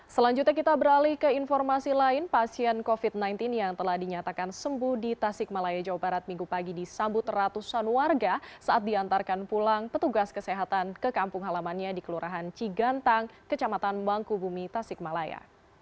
selanjutnya kita beralih ke informasi lain pasien covid sembilan belas yang telah dinyatakan sembuh di tasik malaya jawa barat minggu pagi disambut ratusan warga saat diantarkan pulang petugas kesehatan ke kampung halamannya di kelurahan cigantang kecamatan mangkubumi tasikmalaya